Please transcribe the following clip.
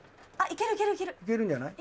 いけるんじゃない？